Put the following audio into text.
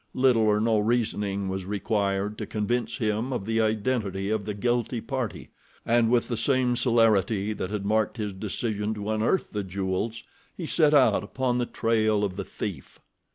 Little or no reasoning was required to convince him of the identity of the guilty party, and with the same celerity that had marked his decision to unearth the jewels, he set out upon the trail of the thief.